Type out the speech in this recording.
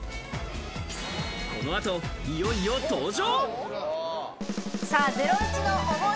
この後、いよいよ登場。